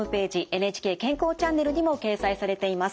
ＮＨＫ健康チャンネルにも掲載されています。